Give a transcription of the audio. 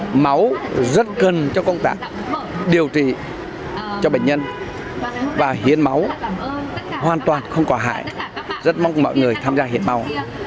hiến máu rất cần cho công tác điều trị cho bệnh nhân và hiến máu hoàn toàn không quả hại rất mong mọi người tham gia hiến máu